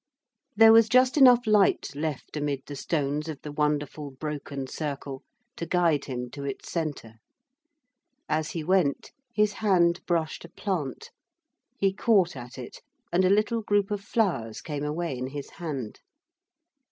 There was just enough light left amid the stones of the wonderful broken circle to guide him to its centre. As he went his hand brushed a plant; he caught at it, and a little group of flowers came away in his hand.